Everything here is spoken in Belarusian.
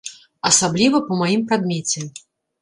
Асабліва па маім прадмеце.